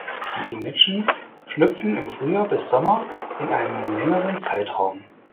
Die Imagines schlüpfen im Frühjahr bis Sommer in einem längeren Zeitraum.